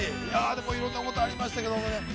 いや、でもいろんなことありましたけどもね。